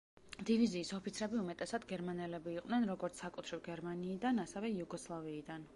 დივიზიის ოფიცრები უმეტესად გერმანელები იყვნენ როგორც საკუთრივ გერმანიიდან, ასევე იუგოსლავიიდან.